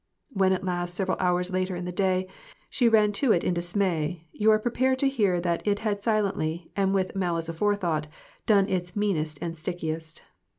When at last, several hours later in the day, she ran to it in dismay, you are prepared to hear that it had silently, and with "malice aforethought," done its meanest and stickiest.